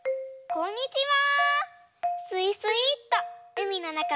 こんにちは。